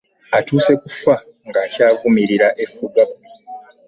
Atuuse kufa ng'akyavumirira effugabbi.